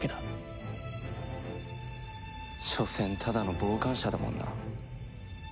しょせんただの傍観者だもんな。